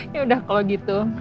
yaudah kalau gitu